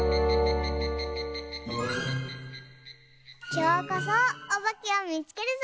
きょうこそおばけをみつけるぞ！